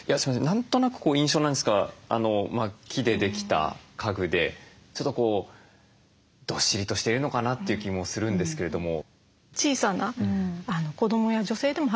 何となく印象なんですが木でできた家具でちょっとどっしりとしてるのかなという気もするんですけれども。